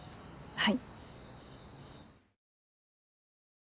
はい。